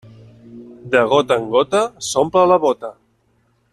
De gota en gota s'omple la bóta.